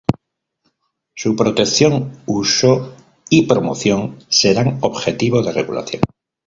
Su protección, uso y promoción serán objeto de regulación"".